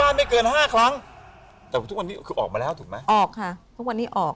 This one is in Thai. น้ำทุ่มกูก็จะไม่ออก